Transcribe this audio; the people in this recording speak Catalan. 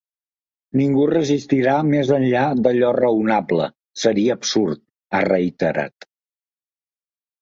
Ningú resistirà més enllà d’allò raonable, seria absurd, ha reiterat.